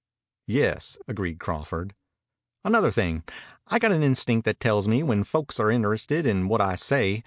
"Yes," agreed Crawford. "Another thing. I got an instinct that tells me when folks are interested in what I say.